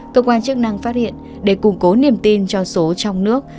cơ quan chức năng phát hiện để củng cố niềm tin cho số trong nước